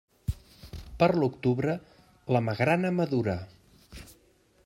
Per l'octubre, la magrana madura.